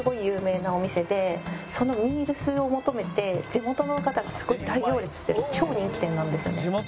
そのミールスを求めて地元の方がすごい大行列してる超人気店なんですよね。